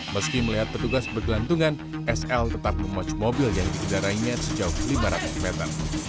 meski melihat petugas bergelantungan sl tetap memacu mobil yang dikendarainya sejauh lima ratus meter